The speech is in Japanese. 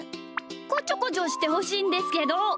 こちょこちょしてほしいんですけど。